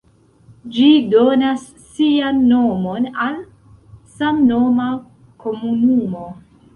Ĝi donas sian nomon al samnoma komunumo.